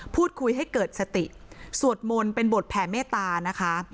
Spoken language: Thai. พูดคุยให้เกิดสติสวดมนต์เป็นบทแผ่เมตตานะคะ